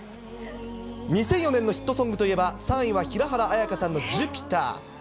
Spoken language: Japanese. ２００４年のヒットソングといえば、３位は平原綾香さんのＪｕｐｉｔｅｒ。